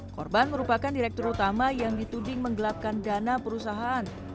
korban merupakan direktur utama yang dituding menggelapkan dana perusahaan